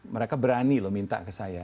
mereka berani loh minta ke saya